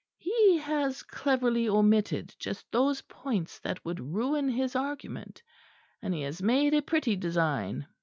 He has cleverly omitted just those points that would ruin his argument; and he has made a pretty design.